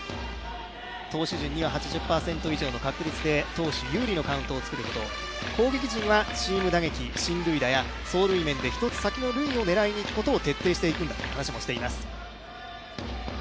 投手陣には８０％以上の確率で投手有利のカウントを作ること攻撃陣はチーム打撃、進塁打や走塁面で１つ先の塁を狙いにいくんだということを徹底しているんだという話もしています。